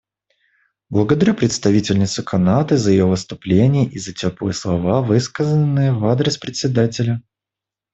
Благодарю представительницу Канады за ее выступление и за теплые слова, высказанные в адрес Председателя.